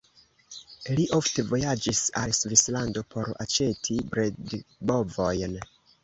Li ofte vojaĝis al Svislando por aĉeti bredbovojn.